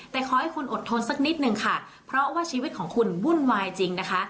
แต่ขอให้คุณอดทนสักนิดนึงค่ะเพราะว่าชีวิตของคุณวุ่นวายจริงนะคะ